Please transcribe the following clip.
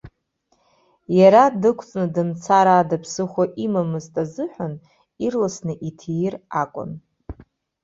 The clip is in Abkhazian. Иара дықәҵны дымцар ада ԥсыхәа имамызт азыҳәан, ирласны иҭир акәын.